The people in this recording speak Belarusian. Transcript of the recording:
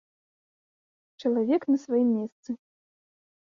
Чалавек на сваім месцы.